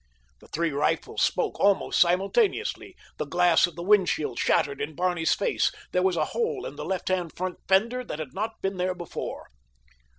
The three rifles spoke almost simultaneously. The glass of the windshield shattered in Barney's face. There was a hole in the left hand front fender that had not been there before.